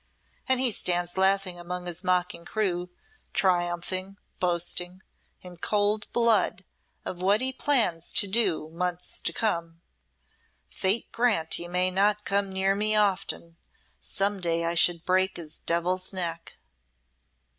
And he stands laughing among his mocking crew triumphing, boasting in cold blood of what he plans to do months to come. Fate grant he may not come near me often. Some day I should break his devil's neck."